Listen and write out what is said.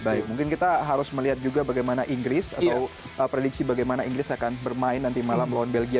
baik mungkin kita harus melihat juga bagaimana inggris atau prediksi bagaimana inggris akan bermain nanti malam lawan belgia